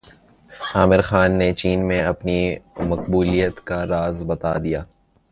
عامر خان نے چین میں اپنی مقبولیت کا راز بتادیا